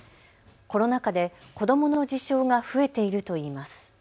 コロナ禍で子どもの自傷が増えているといいます。